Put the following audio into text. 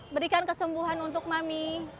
berikan kesembuhan untuk mami